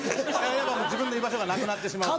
自分の居場所がなくなってしまうと。